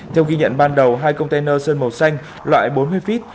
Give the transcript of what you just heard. theo ghi nhận ban đầu hai container sơn màu xanh loại bốn mươi feet